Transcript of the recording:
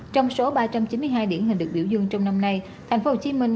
trong số ba trăm chín mươi hai điển hình được biểu dương trong năm nay thành phố hồ chí minh